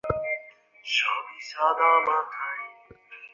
দ্যাখ তো শশী একবার হাত দিয়ে?